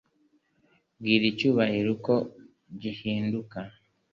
Bwira icyubahiro uko gihinduka;